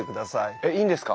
えっいいんですか？